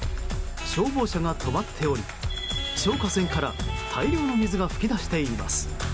消防車が止まっており消火栓から大量の水が噴き出しています。